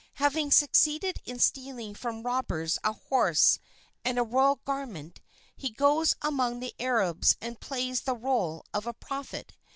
Having succeeded in stealing from robbers a horse and a royal garment, he goes among the Arabs and plays the rôle of a prophet.